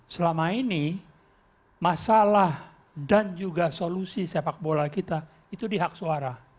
selama ini masalah dan juga solusi sepak bola kita itu di hak suara